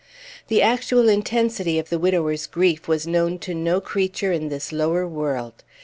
The actual intensity of the widower's grief was known to no creature in this lower world.